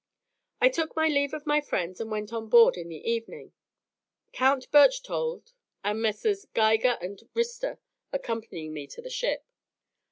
I took leave of my friends and went on board in the evening; Count Berchthold and Messrs. Geiger and Rister accompanying me to the ship.